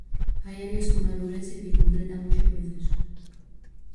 Hai áreas coma a de Ourense que completan hoxe o proceso.